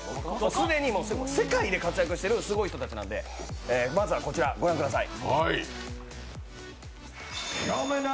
既に世界で活躍しているすごい人なんでまずはこちらご覧ください。